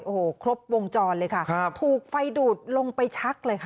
โอ้โหครบวงจรเลยค่ะครับถูกไฟดูดลงไปชักเลยค่ะ